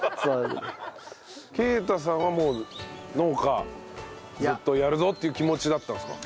啓太さんはもう農家ずっとやるぞっていう気持ちだったんですか？